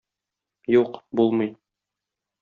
Юк, булмый.